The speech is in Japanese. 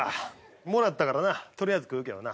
もらったからなとりあえず食うけどな。